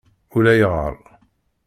Ulayɣer.